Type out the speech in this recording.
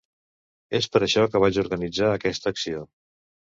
És per això que vaig organitzar aquesta acció.